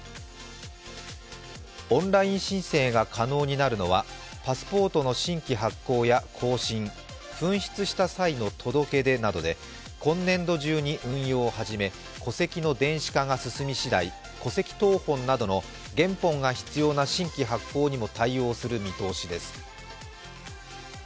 オンライン申請が可能になるのはパスポートの新規発行や更新、紛失した際の届け出などで今年度中に運用を始め戸籍の電子化が進み次第戸籍謄本などの原本が必要な新規発行にも対応する見通しです。